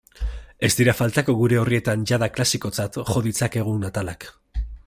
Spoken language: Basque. Ez dira faltako gure orrietan jada klasikotzat jo ditzakegun atalak.